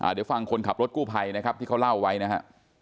เดี๋ยวฟังคนขับรถกู้ภัยนะครับที่เขาเล่าไว้นะฮะ